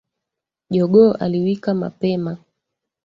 Jogoo aliwika mapema